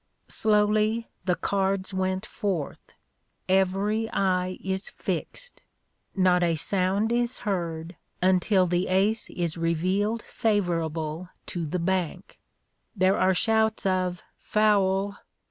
Slowly the cards went forth. Every eye is fixed. Not a sound is heard, until the ace is revealed favorable to the bank. There are shouts of "Foul!